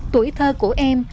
tuổi thơ của em